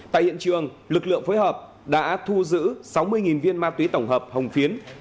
tại hiện trường lực lượng phối hợp đã thu giữ sáu mươi viên ma túy tổng hợp hồng phiến